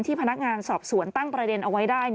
พนักงานสอบสวนตั้งประเด็นเอาไว้ได้